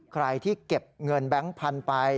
ใครที่เก็บเงินแบงค์พันธุ์ไป